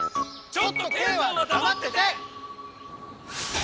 ちょっとケイさんはだまってて！